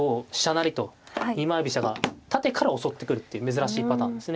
成と二枚飛車が縦から襲ってくるっていう珍しいパターンですね。